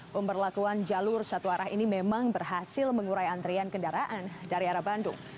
pemberlakuan jalur satu arah ini memang berhasil mengurai antrian kendaraan dari arah bandung